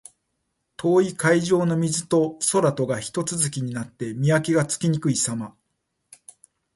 遠い海上の水と空とがひと続きになって、見分けがつきにくいさま。